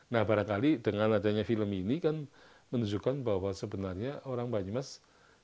nah barangkali dengan adanya film ini kan menunjukkan bahwa sebenarnya orang banyumas bisa tampil ya sebagai artis artis